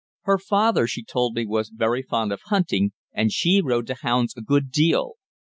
Her father, she told me, was very fond of hunting, and she rode to hounds a good deal.